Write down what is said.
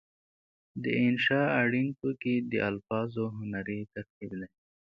د انشأ اړین توکي د الفاظو هنري ترتیب دی.